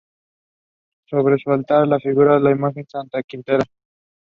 The competition was ignored by many leading Russian athletes.